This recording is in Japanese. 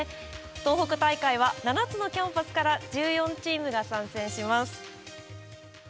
東北大会は７つのキャンパスから１４チームが参戦します。